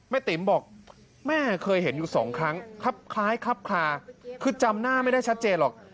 ติ๋มบอกแม่เคยเห็นอยู่สองครั้งครับคล้ายคับคลาคือจำหน้าไม่ได้ชัดเจนหรอก